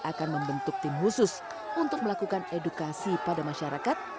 akan membentuk tim khusus untuk melakukan edukasi pada masyarakat